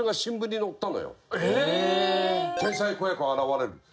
「天才子役現れる」って。